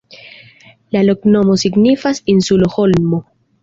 La loknomo signifas: insulo-holmo.